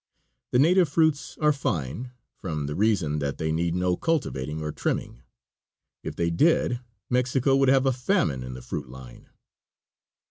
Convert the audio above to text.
The native fruits are fine, from the reason that they need no cultivating or trimming. If they did, Mexico would have a famine in the fruit line.